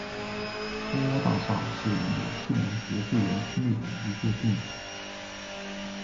蜂窝大厦是纽西兰国会园区内的一座建筑。